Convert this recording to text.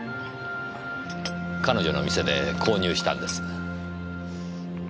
彼女の店で購入したんです。